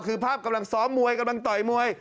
คือภาพกำลังซ้อมมวยกำลังต่อยมวย